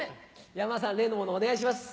山田さん例のものをお願いします。